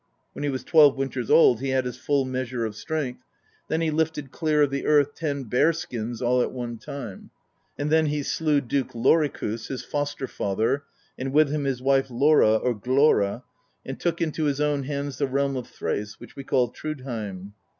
When he was twelve winters old he had his full measure of strength; then he lifted clear of the earth ten bear skins all at one time; and then he slew Duke Lorikus, his foster father, and with him his wife Lora, or Glora, and took into his own hands the realm of Thrace, which we call Thrudheim.